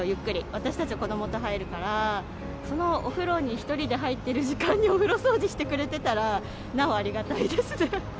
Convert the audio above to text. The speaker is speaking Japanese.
私たちは子どもと入るから、そのお風呂に１人で入ってる時間に、お風呂掃除してくれてたら、なおありがたいですね。